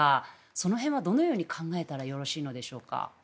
その辺はどう考えたらよろしいでしょうか。